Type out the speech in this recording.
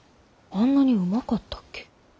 あんなにうまかったっけ？